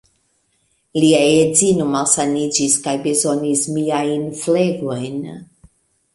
Lia edzino malsaniĝis kaj bezonis miajn flegojn.